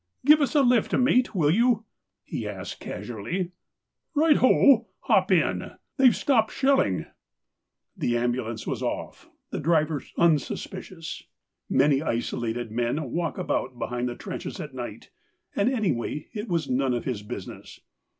" Give us a lift, mate, will you*? " he asked casually. " Right ho ! hop in. They've stopped shelling ." The ambulance was off — the driver unsuspicious. Many isolated men walk about behind the trenches at night, and anyway, it was none of his business.